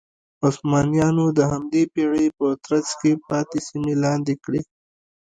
عثمانیانو د همدې پېړۍ په ترڅ کې پاتې سیمې لاندې کړې.